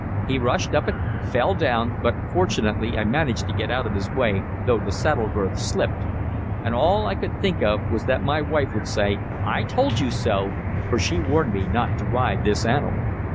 He rushed up it, fell down, but, fortunately, I managed to get out of his way, though the saddle girth slipped. And all I could think of was that my wife would say: 'I told you so!' for she warned me not to ride this animal.